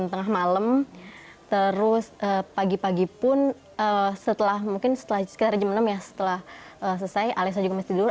dan tengah malem terus pagi pagi pun setelah mungkin sekitar jam enam ya setelah selesai alesan juga masih tidur